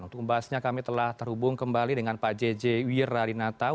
untuk membahasnya kami telah terhubung kembali dengan pak jj iwira di natambu